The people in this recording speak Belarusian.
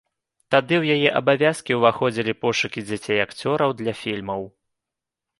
Тады ў яе абавязкі ўваходзілі пошукі дзяцей-акцёраў для фільмаў.